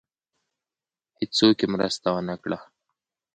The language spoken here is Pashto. هېڅوک یې مرسته ونه کړه.